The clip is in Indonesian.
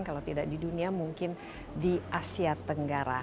kalau tidak di dunia mungkin di asia tenggara